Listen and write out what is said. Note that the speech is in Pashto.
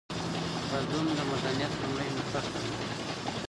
بدلون د مدنيت لومړۍ خښته ده.